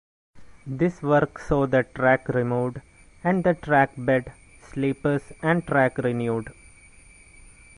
This work saw the track removed, and the track bed, sleepers and track renewed.